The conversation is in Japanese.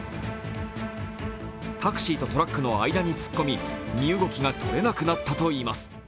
タクシーとトラックの間に突っ込み身動きがとれなくなったといいます。